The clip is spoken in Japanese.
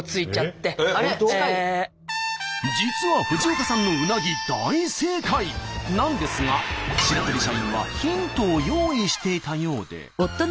実は藤岡さんの「うなぎ」大正解なんですが白鳥社員はヒントを用意していたようで。